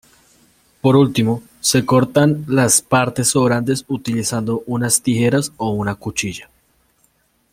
Por último, se cortan las partes sobrantes utilizando unas tijeras o una cuchilla.